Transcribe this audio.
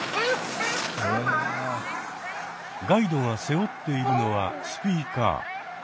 ガイドが背負っているのはスピーカー。